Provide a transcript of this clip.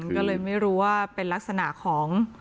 ก็เลยไม่รู้ว่าเป็นลักษณะของ